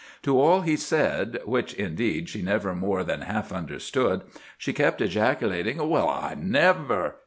To all he said—which, indeed, she never more than half understood—she kept ejaculating, "Well, I never!"